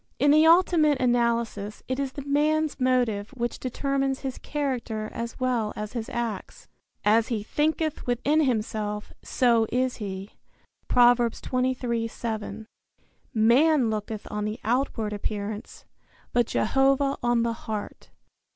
In the ultimate analysis it is the man's motive which determines his character as well as his acts. "As he thinketh within himself, so is he." Prov. 23:7. "Man looketh on the outward appearance, but Jehovah on the heart."